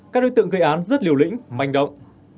các đối tượng gây án rất liều lĩnh manh động